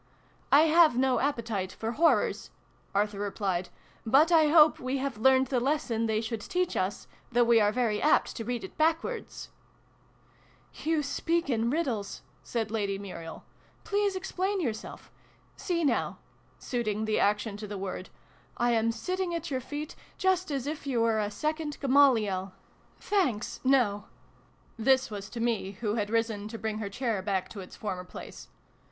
" I have no appetite for horrors," Arthur replied. " But I hope we have learned the lesson they should teach us though we are very apt to read it backwards !"" You speak in riddles," said Lady Muriel. " Please explain yourself. See now," suiting the action to the word, " I am sitting at your feet, just as if you were a second Gamaliel ! 120 SYLVIE AND BRUNO CONCLUDED. Thanks, no." (This was to me, who had risen to bring her chair back to its former place.)